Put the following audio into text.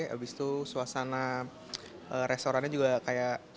abis itu suasana restorannya juga kayak